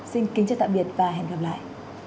xin kính chào tạm biệt và hẹn gặp lại